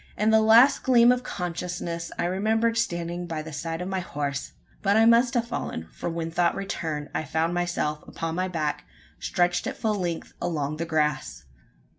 In the last gleam of consciousness, I remembered standing by the side of my horse. But I must have fallen: for when thought returned, I found myself upon my back, stretched at full length along the grass!